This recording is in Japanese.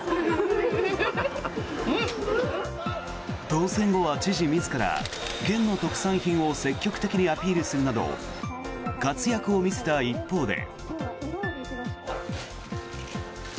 当選後は知事自ら、県の特産品を積極的にアピールするなど活躍を見せた一方で。